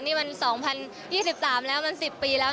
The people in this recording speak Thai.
นี่มัน๒๐๒๓แล้วมัน๑๐ปีแล้ว